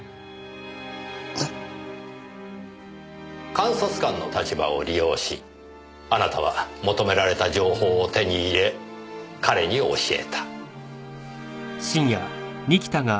監察官の立場を利用しあなたは求められた情報を手に入れ彼に教えた。